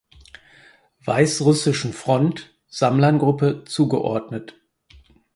Weißrussischen Front (Samland Gruppe) zugeordnet.